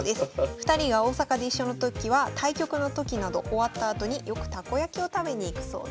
２人が大阪で一緒の時は対局の時など終わったあとによくたこ焼きを食べに行くそうです。